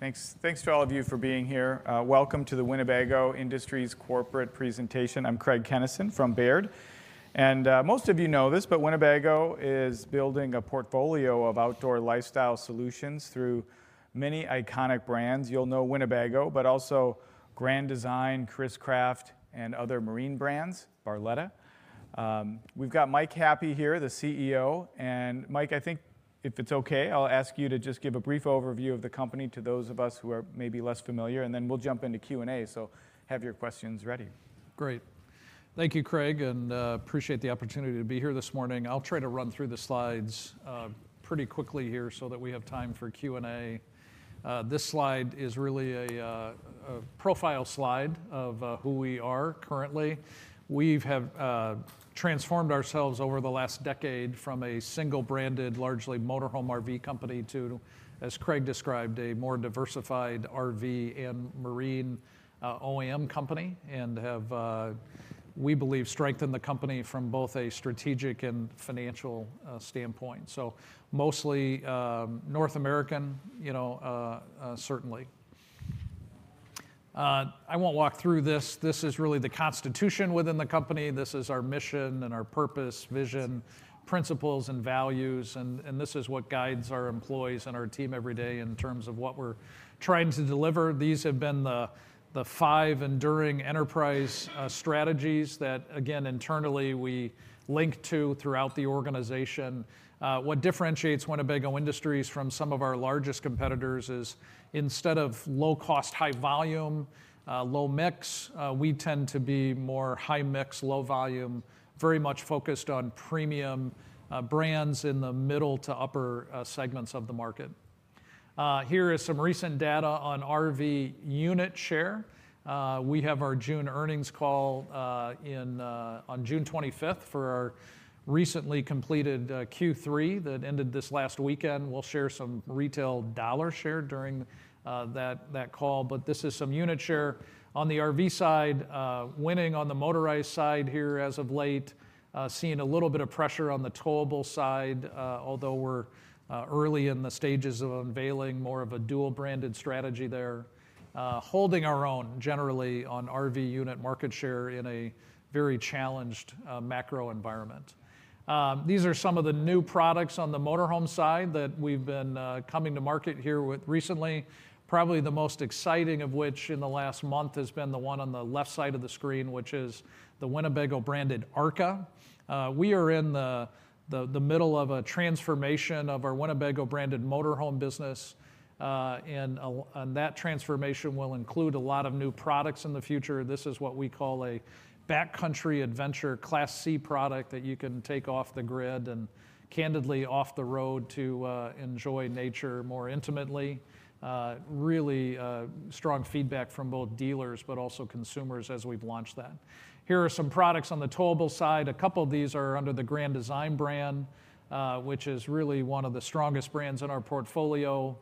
Thanks to all of you for being here. Welcome to the Winnebago Industries corporate presentation. I'm Craig Kennison from Baird. Most of you know this, but Winnebago is building a portfolio of outdoor lifestyle solutions through many iconic brands. You'll know Winnebago, but also Grand Design, Chris-Craft, and other marine brands, Barletta. We've got Michael Happe here, the CEO. Michael, I think if it's okay, I'll ask you to just give a brief overview of the company to those of us who are maybe less familiar, and then we'll jump into Q&A. Have your questions ready. Great. Thank you, Craig, and appreciate the opportunity to be here this morning. I'll try to run through the slides pretty quickly here so that we have time for Q&A. This slide is really a profile slide of who we are currently. We have transformed ourselves over the last decade from a single-branded, largely motorhome RV company to, as Craig described, a more diversified RV and marine OEM company and have, we believe, strengthened the company from both a strategic and financial standpoint. Mostly, North American, certainly. I won't walk through this. This is really the Constitution within the company. This is our mission and our purpose, vision, principles, and values, and this is what guides our employees and our team every day in terms of what we're trying to deliver. These have been the five enduring enterprise strategies that, again, internally we link to throughout the organization. What differentiates Winnebago Industries from some of our largest competitors is instead of low cost, high volume, low mix, we tend to be more high mix, low volume, very much focused on premium brands in the middle to upper segments of the market. Here is some recent data on RV unit share. We have our June earnings call on June 25th for our recently completed Q3 that ended this last weekend. We'll share some retail dollar share during that call. This is some unit share on the RV side, winning on the motorized side here as of late, seeing a little bit of pressure on the towable side, although we're early in the stages of unveiling more of a dual-branded strategy there. Holding our own generally on RV unit market share in a very challenged macro environment. These are some of the new products on the motor home side that we've been coming to market here with recently. Probably the most exciting of which in the last month has been the one on the left side of the screen, which is the Winnebago-branded ARKA. We are in the middle of a transformation of our Winnebago-branded motor home business. That transformation will include a lot of new products in the future. This is what we call a backcountry adventure Class C product that you can take off the grid and candidly off the road to enjoy nature more intimately. Really strong feedback from both dealers, but also consumers as we've launched that. Here are some products on the towable side. A couple of these are under the Grand Design brand, which is really one of the strongest brands in our portfolio.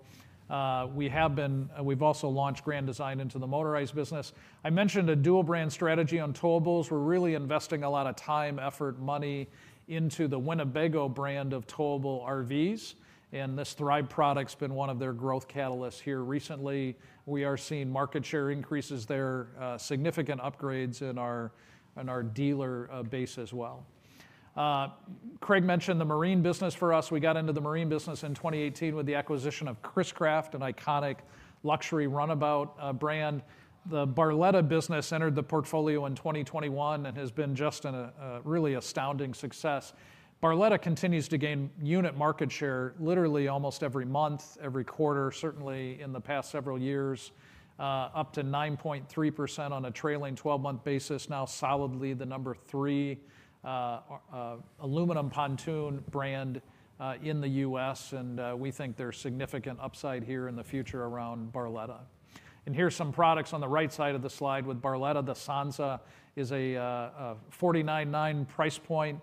We've also launched Grand Design into the motorized business. I mentioned a dual brand strategy on towables. We're really investing a lot of time, effort, money into the Winnebago brand of towable RVs, and this Thrive product's been one of their growth catalysts here recently. We are seeing market share increases there, significant upgrades in our dealer base as well. Craig mentioned the marine business for us. We got into the marine business in 2018 with the acquisition of Chris-Craft, an iconic luxury runabout brand. The Barletta business entered the portfolio in 2021 and has been just a really astounding success. Barletta continues to gain unit market share literally almost every month, every quarter, certainly in the past several years, up to 9.3% on a trailing 12-month basis. Now solidly the number three aluminum pontoon brand in the U.S., we think there's significant upside here in the future around Barletta. Here's some products on the right side of the slide with Barletta. The Sanza is a $49,900 price point,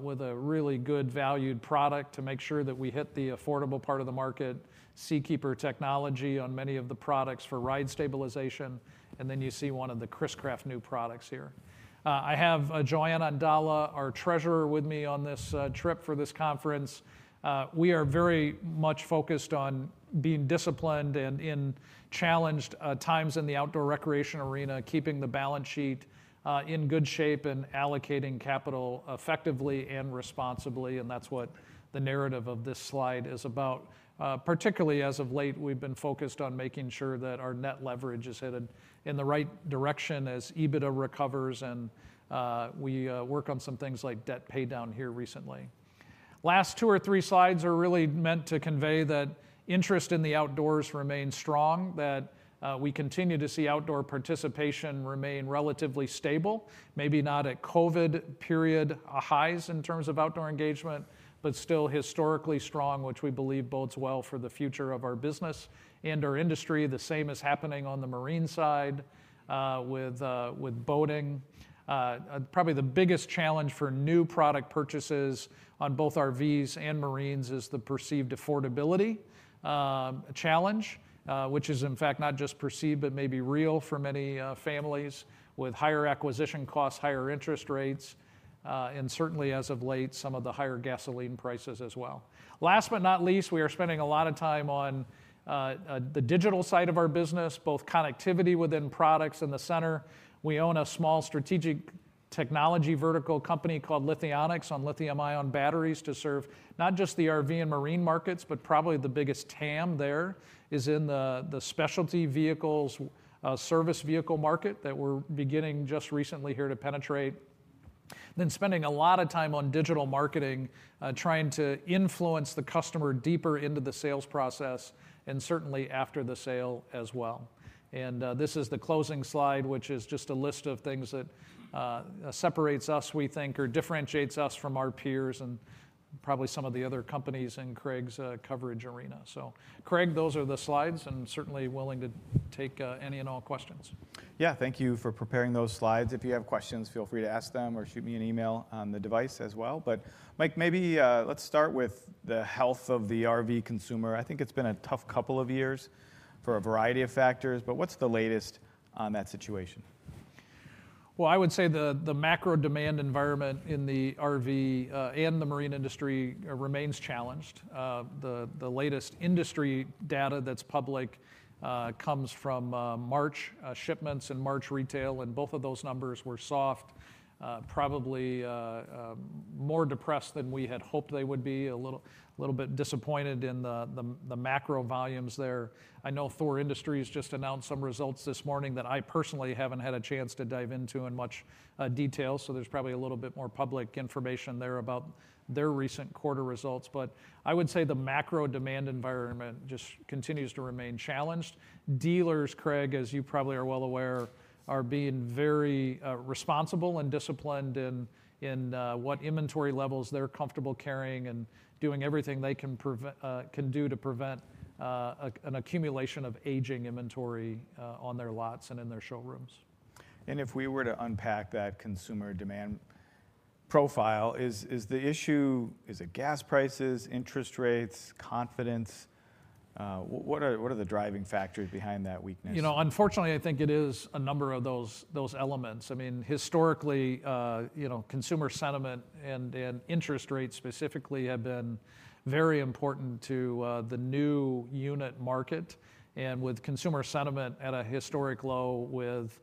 with a really good valued product to make sure that we hit the affordable part of the market. Seakeeper technology on many of the products for ride stabilization. You see one of the Chris-Craft new products here. I have Joan Ondala, our treasurer, with me on this trip for this conference. We are very much focused on being disciplined and in challenged times in the outdoor recreation arena, keeping the balance sheet in good shape and allocating capital effectively and responsibly, that's what the narrative of this slide is about. Particularly as of late, we've been focused on making sure that our net leverage is headed in the right direction as EBITDA recovers and we work on some things like debt paydown here recently. Last two or three slides are really meant to convey that interest in the outdoors remains strong, that we continue to see outdoor participation remain relatively stable. Maybe not at COVID period highs in terms of outdoor engagement, still historically strong, which we believe bodes well for the future of our business and our industry. The same is happening on the marine side, with boating. Probably the biggest challenge for new product purchases on both RVs and marine is the perceived affordability challenge, which is in fact not just perceived, but may be real for many families with higher acquisition costs, higher interest rates, and certainly as of late, some of the higher gasoline prices as well. Last but not least, we are spending a lot of time on the digital side of our business, both connectivity within products in the center. We own a small strategic technology vertical company called Lithionics on lithium-ion batteries to serve not just the RV and marine markets, but probably the biggest TAM there is in the specialty vehicles, service vehicle market that we're beginning just recently here to penetrate. Spending a lot of time on digital marketing, trying to influence the customer deeper into the sales process and certainly after the sale as well. This is the closing slide, which is just a list of things that separates us, we think, or differentiates us from our peers and probably some of the other companies in Craig's coverage arena. Craig, those are the slides, and certainly willing to take any and all questions. Yeah. Thank you for preparing those slides. If you have questions, feel free to ask them or shoot me an email on the device as well. Michael, maybe let's start with the health of the RV consumer. I think it's been a tough couple of years for a variety of factors, but what's the latest on that situation? Well, I would say the macro demand environment in the RV and the marine industry remains challenged. The latest industry data that's public comes from March shipments and March retail, both of those numbers were soft. Probably more depressed than we had hoped they would be. A little bit disappointed in the macro volumes there. I know Thor Industries just announced some results this morning that I personally haven't had a chance to dive into in much detail. There's probably a little bit more public information there about their recent quarter results. I would say the macro demand environment just continues to remain challenged. Dealers, Craig, as you probably are well aware, are being very responsible and disciplined in what inventory levels they're comfortable carrying and doing everything they can do to prevent an accumulation of aging inventory on their lots and in their showrooms. If we were to unpack that consumer demand profile, is the issue, is it gas prices, interest rates, confidence? What are the driving factors behind that weakness? Unfortunately, I think it is a number of those elements. Historically, consumer sentiment and interest rates specifically, have been very important to the new unit market. With consumer sentiment at a historic low, With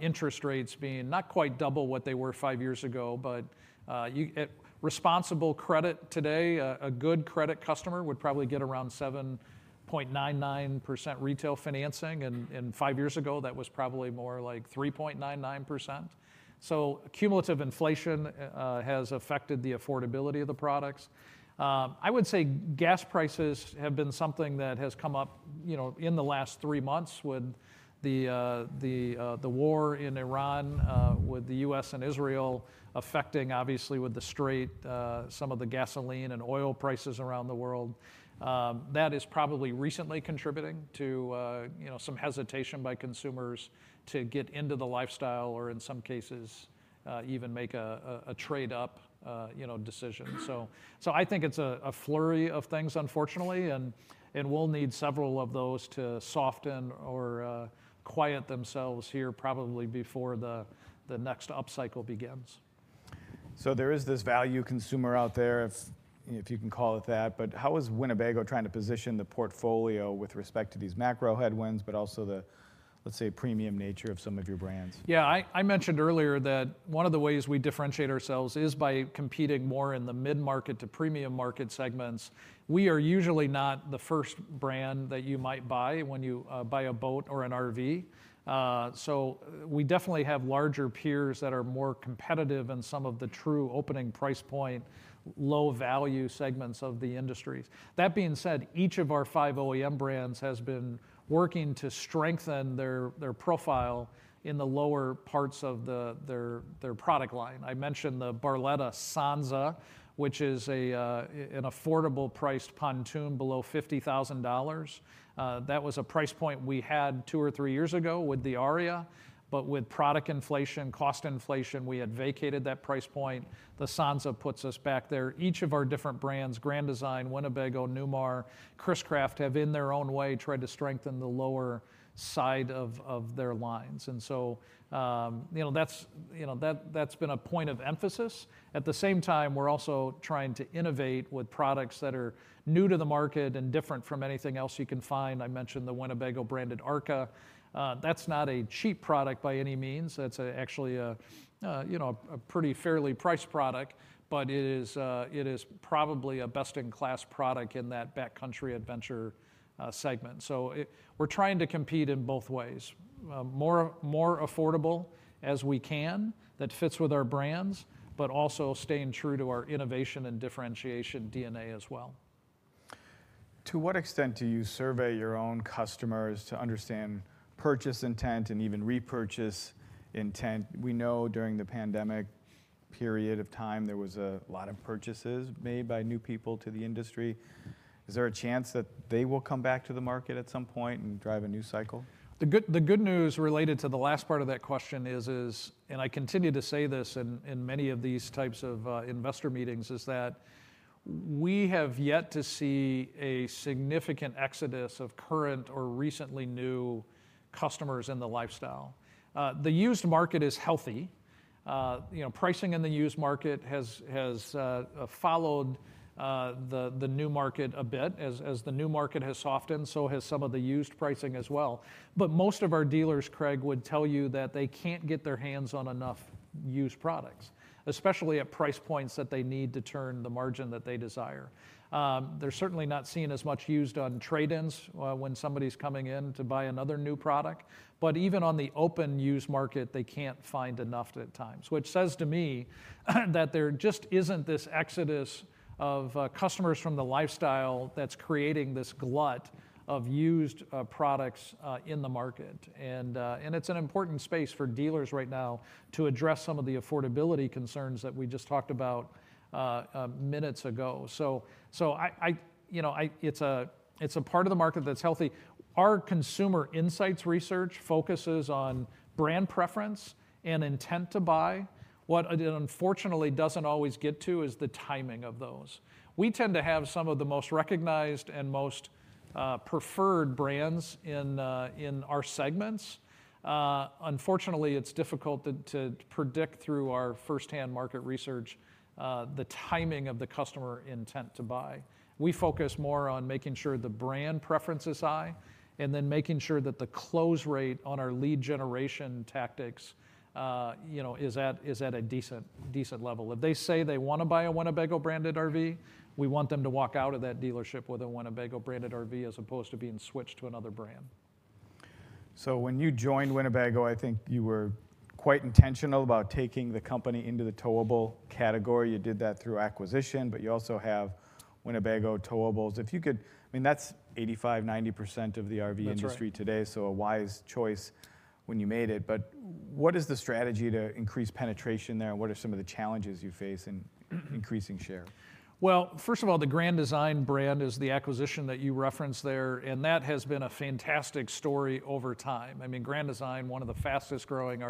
interest rates being not quite double what they were five years ago, but responsible credit today, a good credit customer would probably get around 7.99% retail financing. Five years ago, that was probably more like 3.99%. Cumulative inflation has affected the affordability of the products. I would say gas prices have been something that has come up in the last three months with the war in Iran, with the U.S. and Israel affecting, obviously with the Strait, some of the gasoline and oil prices around the world. That is probably recently contributing to some hesitation by consumers to get into the lifestyle or, in some cases, even make a trade up decision. I think it's a flurry of things, unfortunately, and we'll need several of those to soften or quiet themselves here, probably before the next up cycle begins. There is this value consumer out there, if you can call it that, but how is Winnebago trying to position the portfolio with respect to these macro headwinds, but also the, let's say, premium nature of some of your brands? I mentioned earlier that one of the ways we differentiate ourselves is by competing more in the mid-market to premium market segments. We are usually not the first brand that you might buy when you buy a boat or an RV. We definitely have larger peers that are more competitive in some of the true opening price point, low-value segments of the industries. That being said, each of our five OEM brands has been working to strengthen their profile in the lower parts of their product line. I mentioned the Barletta Sanza, which is an affordable priced pontoon below $50,000. That was a price point we had two or three years ago with the Aria, but with product inflation, cost inflation, we had vacated that price point. The Sanza puts us back there. Each of our different brands, Grand Design, Winnebago, Newmar, Chris-Craft, have, in their own way, tried to strengthen the lower side of their lines. That's been a point of emphasis. At the same time, we're also trying to innovate with products that are new to the market and different from anything else you can find. I mentioned the Winnebago branded ARKA. That's not a cheap product by any means. That's actually a pretty fairly priced product, but it is probably a best-in-class product in that backcountry adventure segment. We're trying to compete in both ways, more affordable as we can that fits with our brands, but also staying true to our innovation and differentiation DNA as well. To what extent do you survey your own customers to understand purchase intent and even repurchase intent? We know during the pandemic period of time, there was a lot of purchases made by new people to the industry. Is there a chance that they will come back to the market at some point and drive a new cycle? The good news related to the last part of that question is, and I continue to say this in many of these types of investor meetings, is that we have yet to see a significant exodus of current or recently new customers in the lifestyle. The used market is healthy. Pricing in the used market has followed the new market a bit. As the new market has softened, so has some of the used pricing as well. Most of our dealers, Craig, would tell you that they can't get their hands on enough used products, especially at price points that they need to turn the margin that they desire. They're certainly not seeing as much used on trade-ins when somebody's coming in to buy another new product. Even on the open used market, they can't find enough at times. There just isn't this exodus of customers from the lifestyle that's creating this glut of used products in the market. It's an important space for dealers right now to address some of the affordability concerns that we just talked about minutes ago. It's a part of the market that's healthy. Our consumer insights research focuses on brand preference and intent to buy. What it unfortunately doesn't always get to is the timing of those. We tend to have some of the most recognized and most preferred brands in our segments. Unfortunately, it's difficult to predict through our firsthand market research the timing of the customer intent to buy. We focus more on making sure the brand preference is high and then making sure that the close rate on our lead generation tactics is at a decent level. If they say they want to buy a Winnebago branded RV, we want them to walk out of that dealership with a Winnebago branded RV as opposed to being switched to another brand. When you joined Winnebago, I think you were quite intentional about taking the company into the towable category. You did that through acquisition, but you also have Winnebago towables. I mean, that's 85%-90% of the RV industry. That's right. Today, so a wise choice when you made it. What is the strategy to increase penetration there, and what are some of the challenges you face in increasing share? Well, first of all, the Grand Design brand is the acquisition that you referenced there, and that has been a fantastic story over time. I mean, Grand Design, one of the fastest growing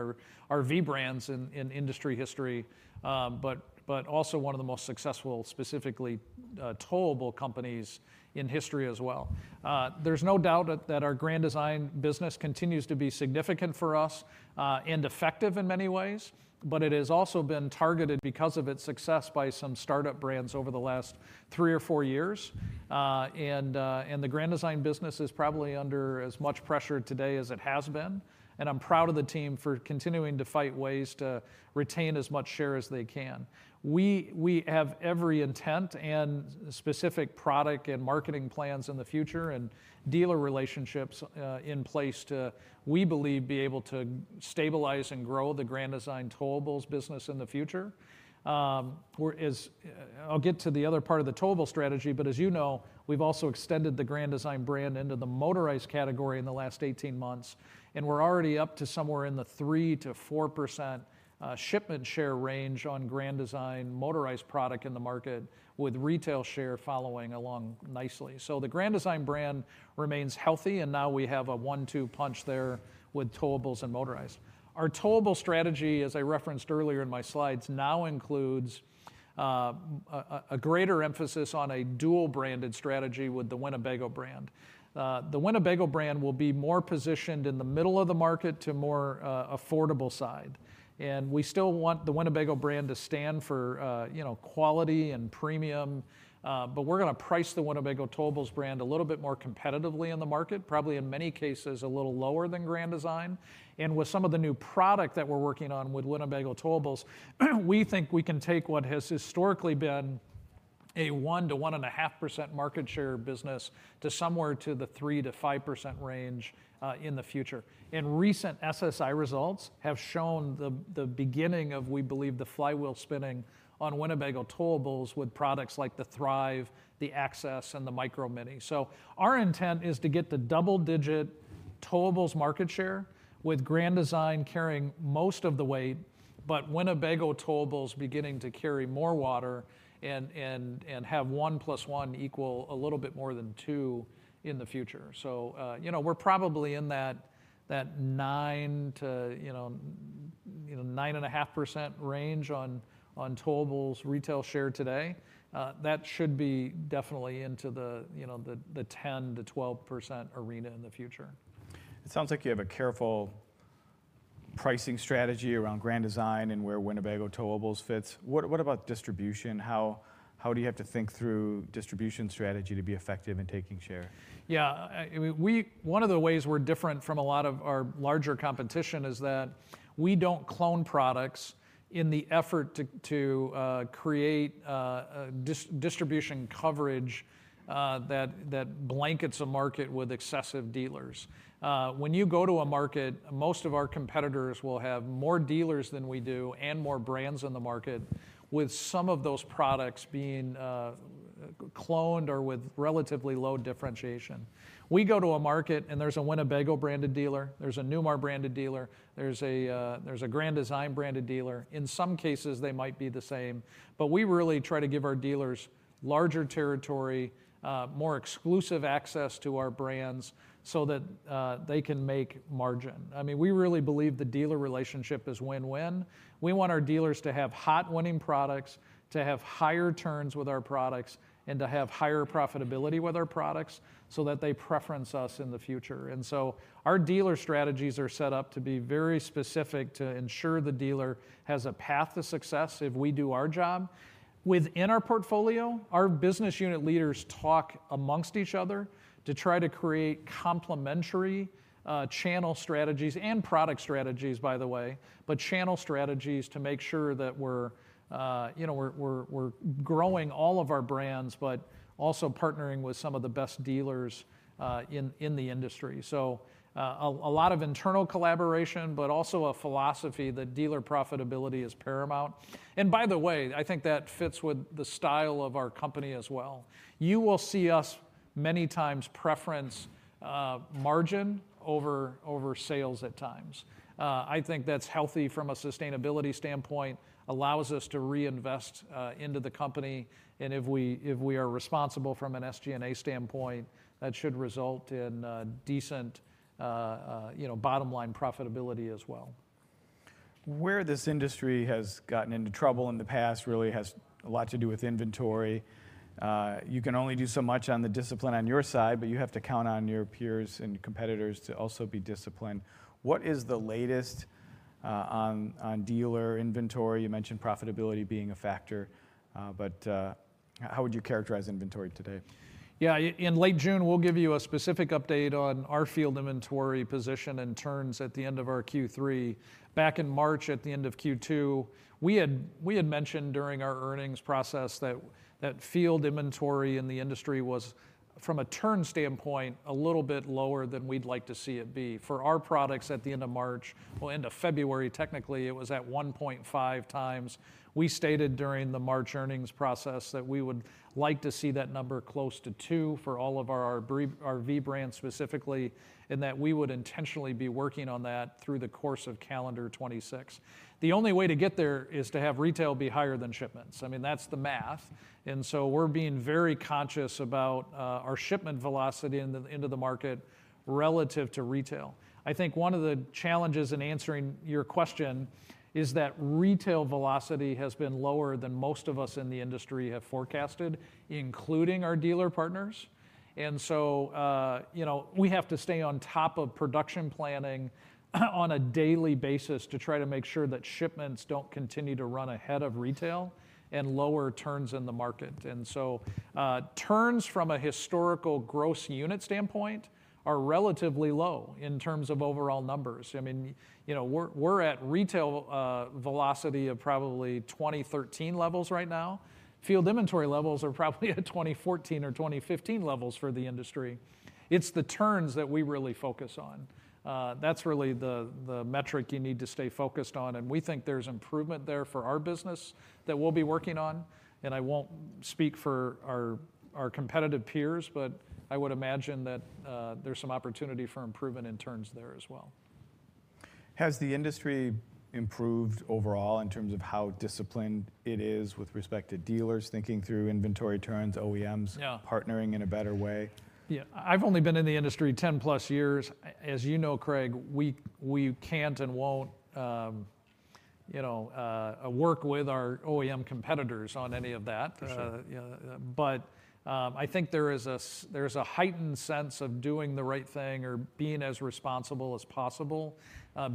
RV brands in industry history. Also one of the most successful, specifically towable companies in history as well. There's no doubt that our Grand Design business continues to be significant for us and effective in many ways, but it has also been targeted because of its success by some startup brands over the last three or four years. The Grand Design business is probably under as much pressure today as it has been, and I'm proud of the team for continuing to fight ways to retain as much share as they can. We have every intent and specific product and marketing plans in the future and dealer relationships in place to, we believe, be able to stabilize and grow the Grand Design towables business in the future. As you know, we've also extended the Grand Design brand into the motorized category in the last 18 months, and we're already up to somewhere in the 3%-4% shipment share range on Grand Design motorized product in the market, with retail share following along nicely. The Grand Design brand remains healthy, and now we have a one-two punch there with towables and motorized. Our towable strategy, as I referenced earlier in my slides, now includes a greater emphasis on a dual-branded strategy with the Winnebago brand. The Winnebago brand will be more positioned in the middle of the market to more affordable side. We still want the Winnebago brand to stand for quality and premium. We're going to price the Winnebago towables brand a little bit more competitively in the market, probably in many cases, a little lower than Grand Design. With some of the new product that we're working on with Winnebago towables, we think we can take what has historically been a 1%-1.5% market share business to somewhere to the 3%-5% range in the future. Recent SSI results have shown the beginning of, we believe, the flywheel spinning on Winnebago towables with products like the Thrive, the Access, and the Micro Minnie. Our intent is to get to double-digit towables market share with Grand Design carrying most of the weight, but Winnebago towables beginning to carry more water and have 1+1 equal a little bit more than two in the future. We're probably in that 9%-9.5% range on towables retail share today. That should be definitely into the 10%-12% arena in the future. It sounds like you have a careful pricing strategy around Grand Design and where Winnebago towables fits. What about distribution? How do you have to think through distribution strategy to be effective in taking share? Yeah. One of the ways we're different from a lot of our larger competition is that we don't clone products in the effort to create distribution coverage that blankets a market with excessive dealers. When you go to a market, most of our competitors will have more dealers than we do and more brands in the market, with some of those products being cloned or with relatively low differentiation. We go to a market and there's a Winnebago-branded dealer, there's a Newmar-branded dealer, there's a Grand Design-branded dealer. In some cases, they might be the same, but we really try to give our dealers larger territory, more exclusive access to our brands so that they can make margin. We really believe the dealer relationship is win-win. We want our dealers to have hot winning products, to have higher turns with our products, and to have higher profitability with our products so that they preference us in the future. Our dealer strategies are set up to be very specific to ensure the dealer has a path to success if we do our job. Within our portfolio, our business unit leaders talk amongst each other to try to create complementary channel strategies and product strategies, By the way, but channel strategies to make sure that we're growing all of our brands, but also partnering with some of the best dealers in the industry. A lot of internal collaboration, but also a philosophy that dealer profitability is paramount. By the way, I think that fits with the style of our company as well. You will see us many times preference margin over sales at times. I think that's healthy from a sustainability standpoint, allows us to reinvest into the company, and if we are responsible from an SG&A standpoint, that should result in decent bottom-line profitability as well. Where this industry has gotten into trouble in the past really has a lot to do with inventory. You can only do so much on the discipline on your side, but you have to count on your peers and competitors to also be disciplined. What is the latest on dealer inventory? You mentioned profitability being a factor, but how would you characterize inventory today? Yeah. In late June, we'll give you a specific update on our field inventory position and turns at the end of our Q3. Back in March at the end of Q2, we had mentioned during our earnings process that field inventory in the industry was, from a turn standpoint, a little bit lower than we'd like to see it be. For our products at the end of March, well, end of February, technically, it was at 1.5x. We stated during the March earnings process that we would like to see that number close to two for all of our RV brands specifically, and that we would intentionally be working on that through the course of calendar 2026. The only way to get there is to have retail be higher than shipments. That's the math. We're being very conscious about our shipment velocity into the market relative to retail. I think one of the challenges in answering your question is that retail velocity has been lower than most of us in the industry have forecasted, including our dealer partners. We have to stay on top of production planning on a daily basis to try to make sure that shipments don't continue to run ahead of retail and lower turns in the market. Turns from a historical gross unit standpoint are relatively low in terms of overall numbers. We're at retail velocity of probably 2013 levels right now. Field inventory levels are probably at 2014 or 2015 levels for the industry. It's the turns that we really focus on. That's really the metric you need to stay focused on, and we think there's improvement there for our business that we'll be working on. I won't speak for our competitive peers, but I would imagine that there's some opportunity for improvement in turns there as well. Has the industry improved overall in terms of how disciplined it is with respect to dealers thinking through inventory turns, OEMs. Yeah. Partnering in a better way? Yeah. I've only been in the industry 10+ years. As you know, Craig, we can't and won't work with our OEM competitors on any of that. For sure. I think there is a heightened sense of doing the right thing or being as responsible as possible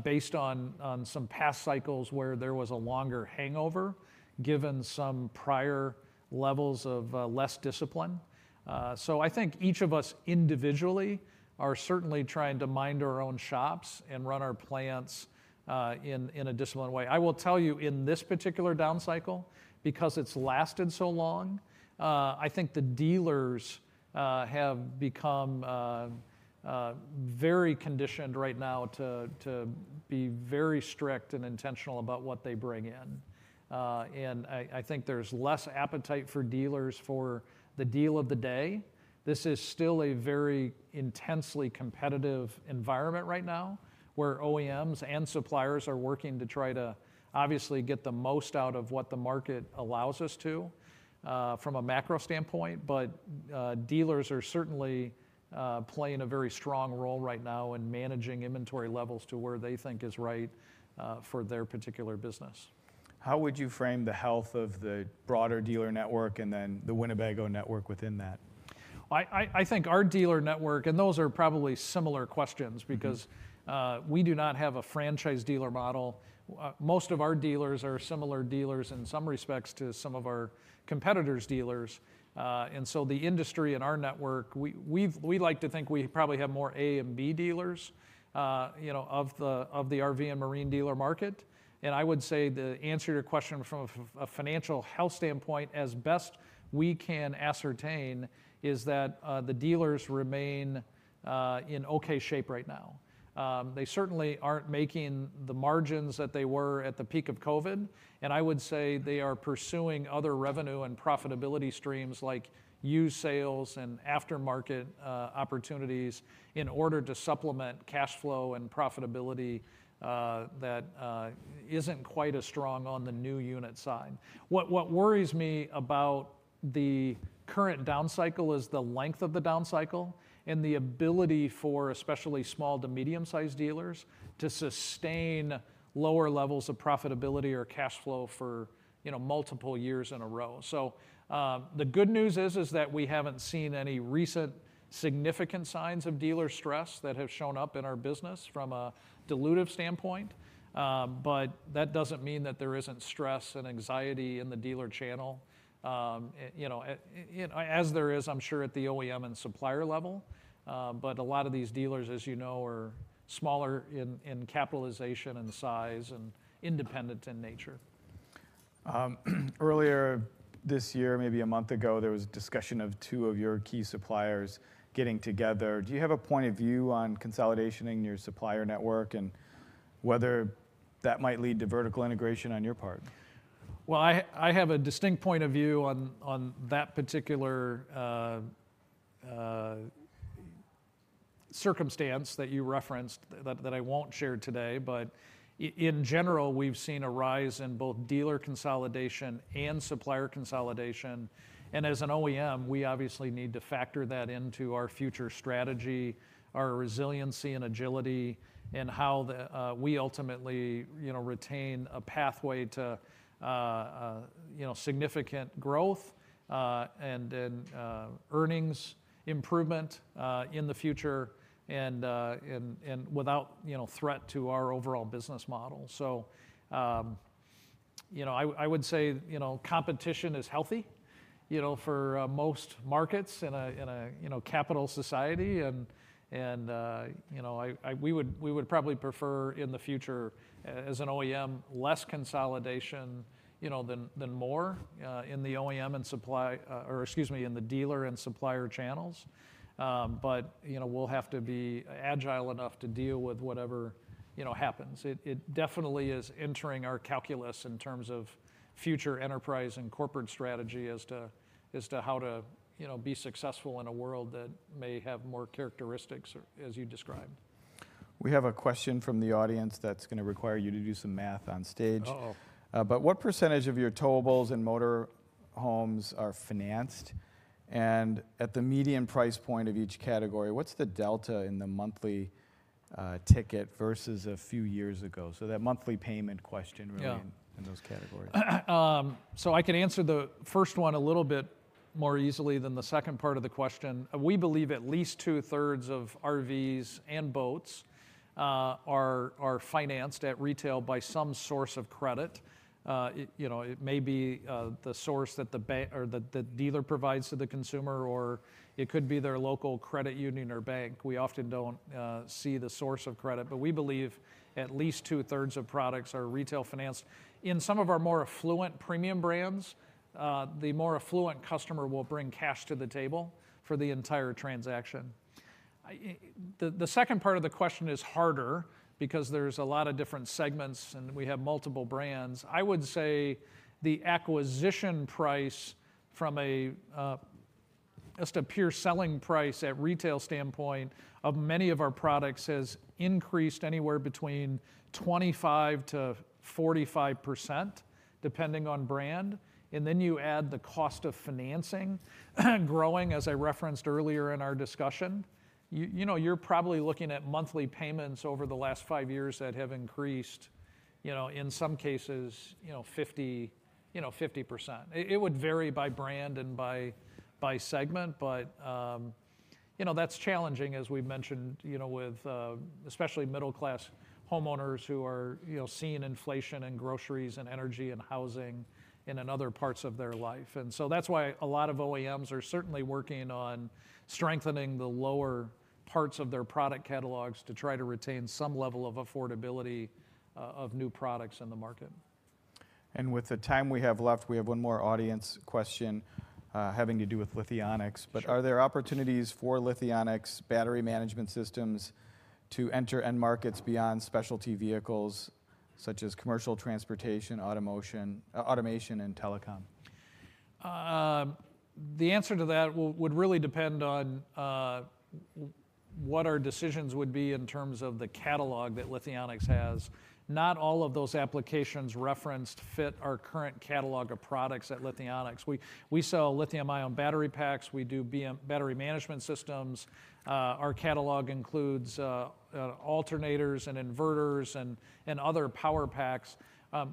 based on some past cycles where there was a longer hangover, given some prior levels of less discipline. I think each of us individually are certainly trying to mind our own shops and run our plants in a disciplined way. I will tell you, in this particular down cycle, because it's lasted so long, I think the dealers have become very conditioned right now to be very strict and intentional about what they bring in. I think there's less appetite for dealers for the deal of the day. This is still a very intensely competitive environment right now, where OEMs and suppliers are working to try to obviously get the most out of what the market allows us to from a macro standpoint. Dealers are certainly playing a very strong role right now in managing inventory levels to where they think is right for their particular business. How would you frame the health of the broader dealer network and then the Winnebago network within that? I think our dealer network, and those are probably similar questions because we do not have a franchise dealer model. Most of our dealers are similar dealers in some respects to some of our competitors' dealers. The industry and our network, we like to think we probably have more A and B dealers of the RV and marine dealer market. I would say to answer your question from a financial health standpoint, as best we can ascertain, is that the dealers remain in okay shape right now. They certainly aren't making the margins that they were at the peak of COVID, and I would say they are pursuing other revenue and profitability streams like used sales and aftermarket opportunities in order to supplement cash flow and profitability that isn't quite as strong on the new unit side. What worries me about the current down cycle is the length of the down cycle and the ability for especially small to medium-sized dealers to sustain lower levels of profitability or cash flow for multiple years in a row. The good news is that we haven't seen any recent significant signs of dealer stress that have shown up in our business from a dilutive standpoint. That doesn't mean that there isn't stress and anxiety in the dealer channel, as there is, I'm sure, at the OEM and supplier level. A lot of these dealers, as you know, are smaller in capitalization and size and independent in nature. Earlier this year, maybe a month ago, there was discussion of two of your key suppliers getting together. Do you have a point of view on consolidation in your supplier network and whether that might lead to vertical integration on your part? I have a distinct point of view on that particular circumstance that you referenced that I won't share today. In general, we've seen a rise in both dealer consolidation and supplier consolidation. As an OEM, we obviously need to factor that into our future strategy, our resiliency and agility, and how we ultimately retain a pathway to significant growth and then earnings improvement in the future, and without threat to our overall business model. I would say competition is healthy for most markets in a capital society and we would probably prefer in the future, as an OEM, less consolidation than more in the OEM and in the dealer and supplier channels. We'll have to be agile enough to deal with whatever happens. It definitely is entering our calculus in terms of future enterprise and corporate strategy as to how to be successful in a world that may have more characteristics as you described. We have a question from the audience that's going to require you to do some math on stage. What percentage of your towables and motor homes are financed? At the median price point of each category, what's the delta in the monthly ticket versus a few years ago? Yeah. In those categories. I can answer the first one a little bit more easily than the second part of the question. We believe at least two-thirds of RVs and boats are financed at retail by some source of credit. It may be the source that the dealer provides to the consumer, or it could be their local credit union or bank. We often don't see the source of credit, but we believe at least two-thirds of products are retail financed. In some of our more affluent premium brands, the more affluent customer will bring cash to the table for the entire transaction. The second part of the question is harder because there's a lot of different segments, and we have multiple brands. I would say the acquisition price from just a pure selling price at retail standpoint of many of our products has increased anywhere between 25%-45%, depending on brand. You add the cost of financing growing, as I referenced earlier in our discussion. You're probably looking at monthly payments over the last 5 years that have increased, in some cases, 50%. It would vary by brand and by segment. That's challenging, as we mentioned, with especially middle-class homeowners who are seeing inflation in groceries and energy and housing and in other parts of their life. That's why a lot of OEMs are certainly working on strengthening the lower parts of their product catalogs to try to retain some level of affordability of new products in the market. With the time we have left, we have one more audience question having to do with Lithionics. Sure. Are there opportunities for Lithionics battery management systems to enter end markets beyond specialty vehicles such as commercial transportation, automation, and telecom? The answer to that would really depend on what our decisions would be in terms of the catalog that Lithionics has. Not all of those applications referenced fit our current catalog of products at Lithionics. We sell lithium-ion battery packs. We do battery management systems. Our catalog includes alternators and inverters and other power packs.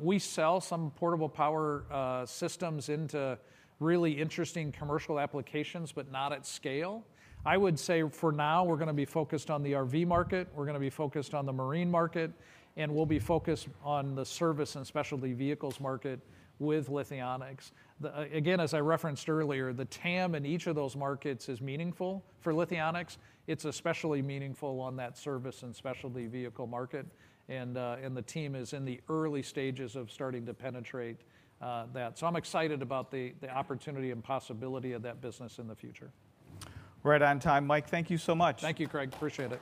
We sell some portable power systems into really interesting commercial applications, but not at scale. I would say for now, we're going to be focused on the RV market, we're going to be focused on the marine market, and we'll be focused on the service and specialty vehicles market with Lithionics. Again, as I referenced earlier, the TAM in each of those markets is meaningful for Lithionics. It's especially meaningful on that service and specialty vehicle market. The team is in the early stages of starting to penetrate that. I'm excited about the opportunity and possibility of that business in the future. Right on time. Michael, thank you so much. Thank you, Craig. Appreciate it.